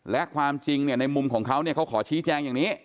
และความจริงในมุมของเขาเขาขอชี้แจงอย่างนี้